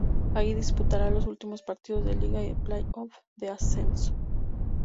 Allí disputará los últimos partidos de liga y el play-off de ascenso.